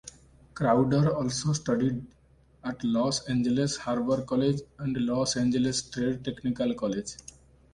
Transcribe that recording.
Crowder also studied at Los Angeles Harbor College and Los Angeles Trade Technical College.